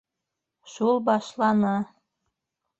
Шул башланы.